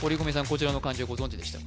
こちらの漢字ご存じでした？